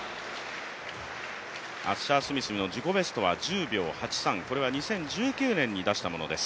アッシャースミスの自己ベストは１０秒８３、これは２０１９年に出したものです。